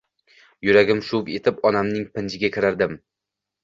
Yuragim shuv etib, onamning pinjiga kirardim.